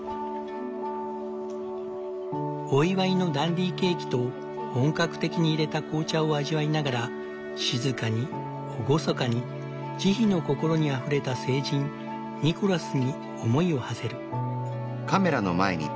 お祝いのダンディーケーキと本格的にいれた紅茶を味わいながら静かに厳かに慈悲の心にあふれた聖人ニコラスに思いをはせる。